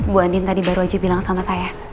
bu andin tadi baru aja bilang sama saya